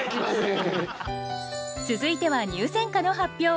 続いては入選歌の発表。